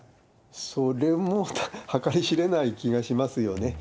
それも計り知れない気がしますよね。